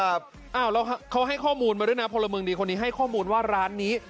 แล้วเขาให้ข้อมูลมาด้วยนะพลเมืองดีคนนี้ให้ข้อมูลว่าร้านนี้